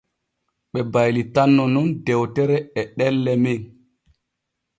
Ɓe baylitanno nun dewtere e ɗelle men.